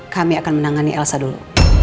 kami akan menangani elsa dulu